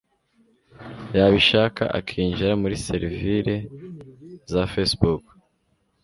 Yabishaka akinjira muri seriveri za facebook.